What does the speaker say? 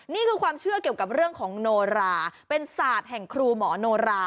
นี่คือความเชื่อเกี่ยวกับเรื่องของโนราเป็นศาสตร์แห่งครูหมอโนรา